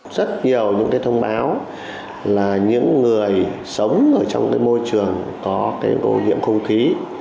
rất nhiều những thông báo là những người sống trong môi trường có ô nhiễm không khí